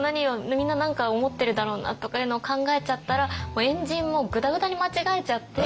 みんな何か思ってるだろうな」とかいうのを考えちゃったらもう円陣もぐだぐだに間違えちゃって。